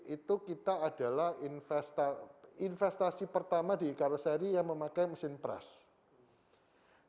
itu kita adalah investasi pertama di carroseri yang memakai mesin prash